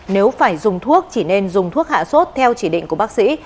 nếu phải dùng thuốc chỉ nên dùng thuốc hạ sốt theo chỉ định của bác sĩ